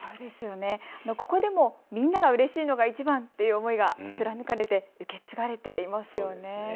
ここでも、みんながうれしいのがいちばんという思いが貫かれて受け継がれていますよね。